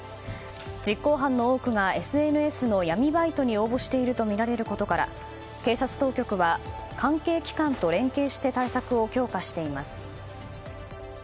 実行犯の多くがＳＮＳの闇バイトに応募しているとみられることから警察当局は関係機関と連携して対策を強化しています。